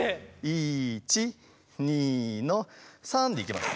１２の３でいきます。